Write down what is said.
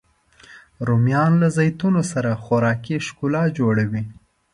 رومیان له زیتون سره خوراکي ښکلا جوړوي